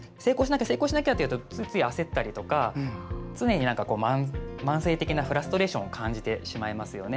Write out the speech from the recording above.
成功しなきゃというとついつい、焦ったりとか常に慢性的なフラストレーションを感じてしまいますよね。